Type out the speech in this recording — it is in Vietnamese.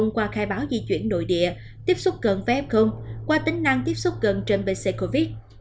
qua khai báo di chuyển nội địa tiếp xúc gần với f qua tính năng tiếp xúc gần trên bc covid